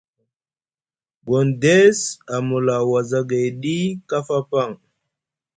Gondess a mula wozagay ɗi kafa paŋ.